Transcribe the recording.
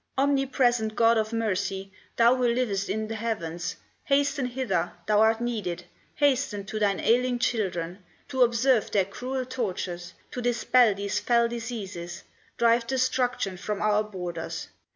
"Omnipresent God of mercy, Thou who livest in the heavens, Hasten hither, thou art needed, Hasten to thine ailing children, To observe their cruel tortures, To dispel these fell diseases, Drive destruction from our borders.